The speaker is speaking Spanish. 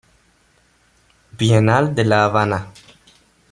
Bienal de La Habana.